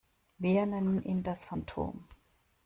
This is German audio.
Wir nennen ihn das Phantom.